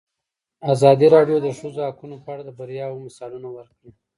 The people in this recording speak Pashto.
ازادي راډیو د د ښځو حقونه په اړه د بریاوو مثالونه ورکړي.